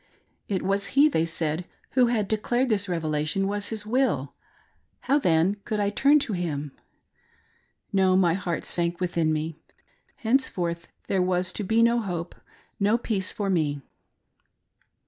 It was He, they said, who had declared this revelation was His will" ; how then could I turn to Him 1 No ; my heart sank within me ; henceforth there was to be no hope, no peace for me